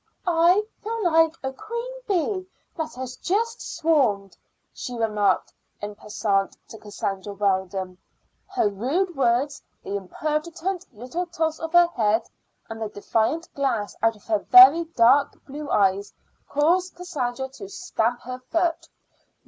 "I feel like a queen bee that has just swarmed," she remarked en passant to Cassandra Weldon. Her rude words, the impertinent little toss of her head, and the defiant glance out of her very dark blue eyes caused Cassandra to stamp her foot.